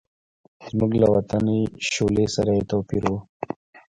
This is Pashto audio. زموږ له وطني شولې سره یې توپیر و.